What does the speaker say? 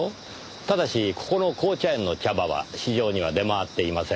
ただしここの紅茶園の茶葉は市場には出回っていません。